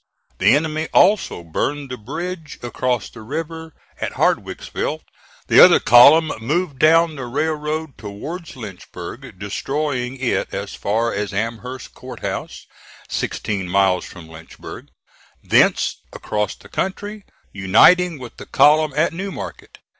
The enemy also burned the bridge across the river at Hardwicksville. The other column moved down the railroad towards Lynchburg, destroying it as far as Amherst Court House, sixteen miles from Lynchburg; thence across the country, uniting with the column at New Market.